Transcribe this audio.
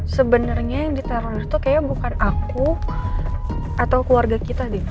sebenarnya yang diteror tuh kayaknya bukan aku atau keluarga kita deh